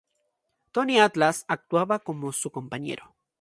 Tony Atlas actuaba como su compañero.